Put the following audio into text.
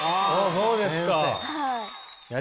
そうですか。